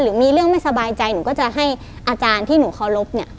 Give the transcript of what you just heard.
หรือมีเรื่องไม่สบายใจหนูก็จะให้อาจารย์ที่หนูเคารพเนี่ย